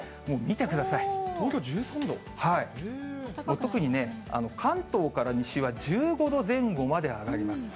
特にね、関東から西は１５度前後まで上がります。